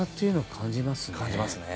感じますね。